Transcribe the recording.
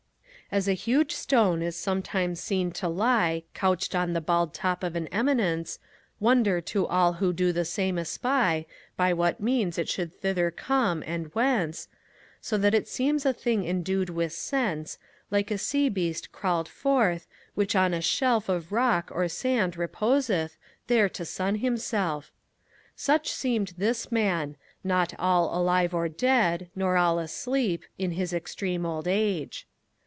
As a huge stone is sometimes seen to lie Couched on the bald top of an eminence, Wonder to all who do the same espy By what means it could thither come, and whence, So that it seems a thing endued with sense, Like a sea beast crawled forth, which on a shelf Of rock or sand reposeth, there to sun himself. Such seemed this Man; not all alive or dead Nor all asleep, in his extreme old age.